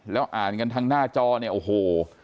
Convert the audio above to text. แล้วอ่านกันทางหน้าจอเนี่ยโอ้โห